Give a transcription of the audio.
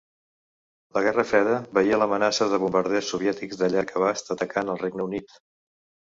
La Guerra Freda veié l'amenaça de bombarders soviètics de llarg abast atacant el Regne Unit.